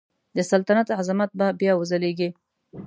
د سلطنت عظمت به بیا وځلیږي.